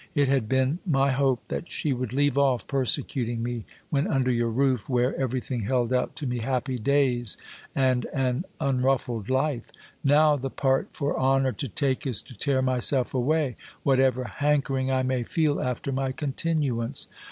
It had been my hope that she would leave off persecuting me when under your roof, where everything held out to me happy days and an unruffled life. Now, the part for honour to take is to tear myself away, whatever hankering I may feel after my continuance.